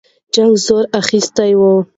جنګ زور اخیستی وو.